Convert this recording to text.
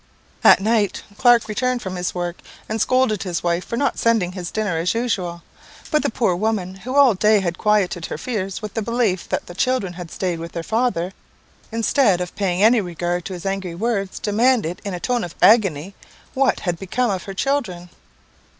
"At night Clark returned from his work, and scolded his wife for not sending his dinner as usual; but the poor woman, (who all day had quieted her fears with the belief that the children had stayed with their father,) instead of paying any regard to his angry words, demanded, in a tone of agony, what had become of her children?